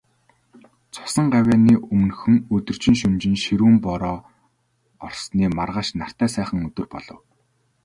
Цусан гавьяаны өмнөхөн, өдөржин, шөнөжин ширүүн бороо асгарсны маргааш нартай сайхан өдөр болов.